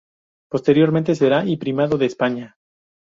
Posteriormente, será y Primado de España.